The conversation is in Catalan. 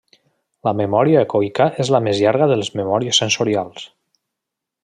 La memòria ecoica és la més llarga de les memòries sensorials.